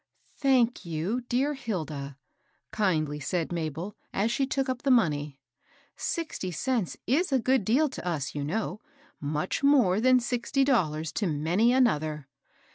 " Thank you, dear Hilda," kindly said Mabel, as she took up the money. ^^ Sixty c^its is a good deal to us, you know, much more than sixty dollars to many another."